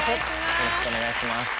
よろしくお願いします。